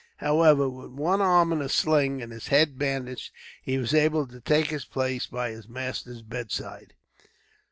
However, with one arm in a sling, and his head bandaged, he was able to take his place by his master's bedside.